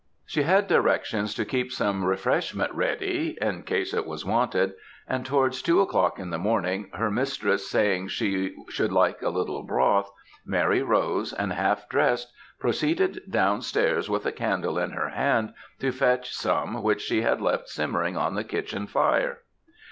She had directions to keep some refreshment ready in case it was wanted, and towards two o'clock in the morning, her mistress saying she should like a little broth, Mary rose, and half drest, proceeded down stairs with a candle in her hand, to fetch some which she had left simmering on the kitchen fire.